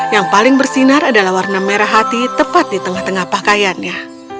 yang paling bersinar adalah warna merah hati tepat di tengah tengah pakaiannya